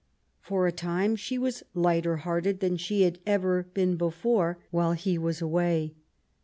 For a time she was lighter hearted than she had ever be fore been while he was away.